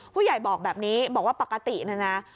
ผู้ใหญ่บอกแบบนี้บอกว่าปกตินะนะ